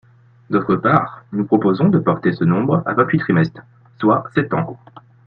D’autre part, nous proposons de porter ce nombre à vingt-huit trimestres, soit sept ans.